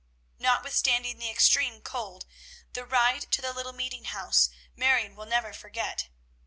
Notwithstanding the extreme cold, the ride to the little meeting house Marion will never forget.